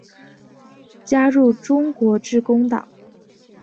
加入中国致公党。